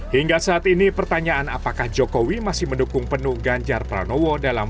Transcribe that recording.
hingga saat ini pertanyaan apakah jokowi masih mendukung penuh ganjar pranowo dalam